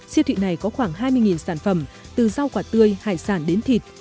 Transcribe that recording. siêu thị này có khoảng hai mươi sản phẩm từ rau quả tươi hải sản đến thịt